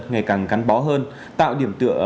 ngày càng cắn bó hơn tạo điểm tựa